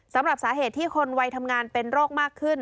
สำหรับสาเหตุที่คนวัยทำงานเป็นโรคมากขึ้น